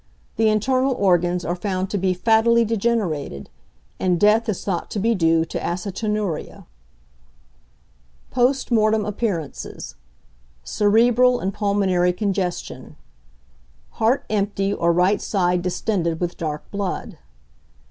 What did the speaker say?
The internal organs are found to be fattily degenerated, and death is thought to be due to acetonuria. Post Mortem Appearances. Cerebral and pulmonary congestion. Heart empty, or right side distended with dark blood.